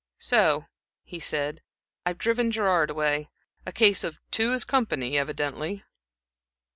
"So," he said. "I've driven Gerard away. A case of 'two is company,' evidently."